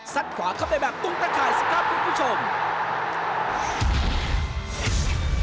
ขวาเข้าไปแบบตุ้งตะข่ายสิครับคุณผู้ชม